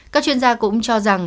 các chuyên gia cũng cho rằng